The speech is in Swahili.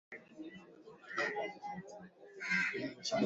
Dada ata foka sana kama anashikia ile mambo ya mashamba